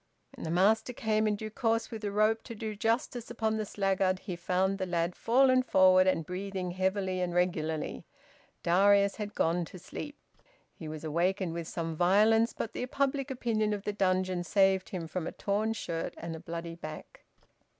When the master came in due course with the rope to do justice upon the sluggard he found the lad fallen forward and breathing heavily and regularly. Darius had gone to sleep. He was awakened with some violence, but the public opinion of the dungeon saved him from a torn shirt and a bloody back.